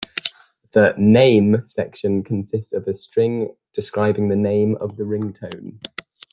The "name" section consists of a string describing the name of the ringtone.